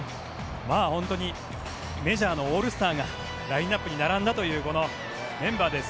本当にメジャーのオールスターがラインアップに並んだというメンバーです。